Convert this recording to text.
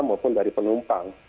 maupun dari penumpang